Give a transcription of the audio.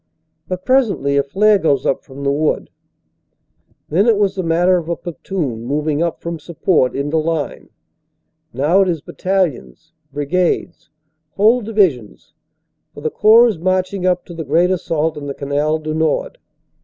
But presently a flare goes up from the wood. Then it was the matter of a platoon, moving up from sup port into line. Now it is battalions, brigades, whole divisions, for the Corps is marching up to the great assault on the Canal du Nord.